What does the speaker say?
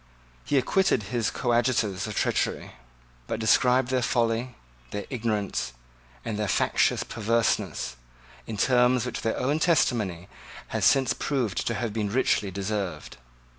He acquitted his coadjutors of treachery, but described their folly, their ignorance, and their factious perverseness, in terms which their own testimony has since proved to have been richly deserved.